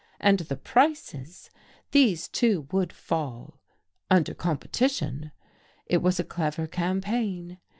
And the prices! These, too, would fall under competition. It was a clever campaign.